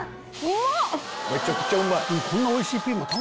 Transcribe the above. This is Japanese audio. めちゃくちゃうまい。